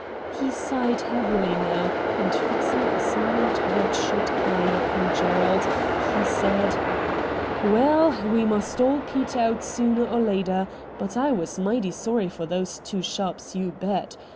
He sighed heavily now, and fixing a somewhat bloodshot eye upon Gerald he said :' Waal, we must all peter out sooner or later, but I was mighty sorry for those two sharps, you bet.